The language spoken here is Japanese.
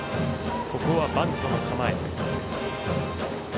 ここはバントの構え。